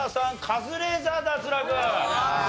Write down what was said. カズレーザー脱落。